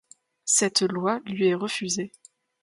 Cette loi lui est refusée.